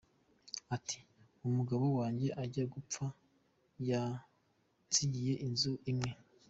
Ati “Umugabo wanjye ajya gupfa yansigiye inzu imwe.